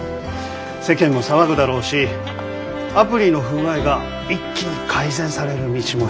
世間も騒ぐだろうしアプリの不具合が一気に改善される道も開けると思うよ。